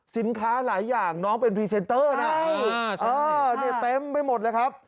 สินค้าหลายอย่างน้องเป็นพรีเซนเตอร์นะเต็มไปหมดเลยครับ